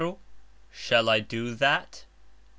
Shall I do that?